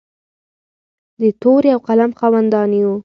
د تورې او قلم خاوندان یو.